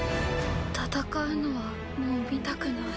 戦うのはもう見たくない。